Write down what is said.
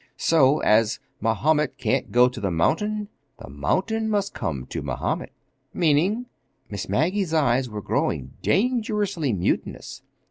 So, as Mahomet can't go to the mountain, the mountain must come to Mahomet." "Meaning—?" Miss Maggie's eyes were growing dangerously mutinous.